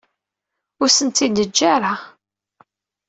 Ur asen-tt-id-teǧǧa ara.